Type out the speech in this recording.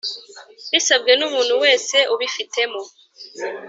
Bisabwe n umuntu wese ubifitemo